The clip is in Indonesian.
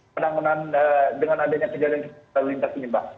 penanggungan dengan adanya kejadian terlalu lintas ini pak